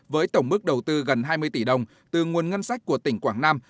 với tổng mức đầu tư gần hai mươi tỷ đồng từ nguồn ngân sách của tỉnh quảng nam